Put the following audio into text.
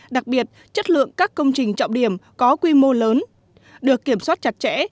đặc biệt chất lượng các công trình trọng điểm có quy mô lớn được kiểm soát chặt chẽ